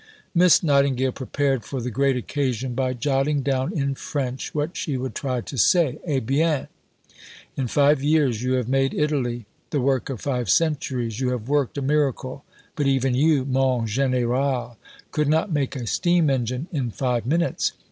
Miss Nightingale prepared for the "great occasion" by jotting down in French what she would try to say. "Eh bien! in five years you have made Italy the work of five centuries. You have worked a miracle. But even you, mon Général, could not make a steam engine in five minutes.